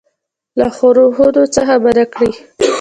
له ښورښونو څخه منع کړي.